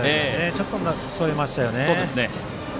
ちょっとそれましたね。